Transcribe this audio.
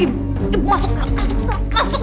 ibu ibu masuk masuk masuk